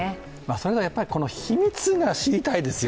それがやっぱり秘密が知りたいですよ